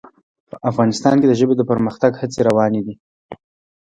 افغانستان کې د ژبې د پرمختګ هڅې روانې دي.